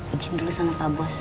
izin dulu sama pak bos